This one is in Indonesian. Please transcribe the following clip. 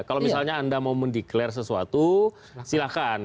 kalau misalnya anda mau mendeklarasi sesuatu silahkan